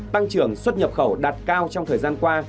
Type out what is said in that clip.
tăng trưởng xuất nhập khẩu đạt cao trong thời gian qua